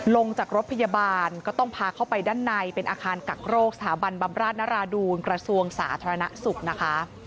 ลงจากรถพยาบาลก็ต้องพาเข้าไปด้านในเป็นอาคารกักโรคสถาบันบำราชนราดูลกระทรวงสาธารณสุขนะคะ